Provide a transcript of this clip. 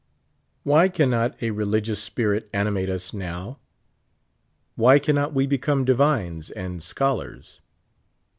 Why cannot a religious spirit animate us now? Wiiy cannot we become divines and scholars?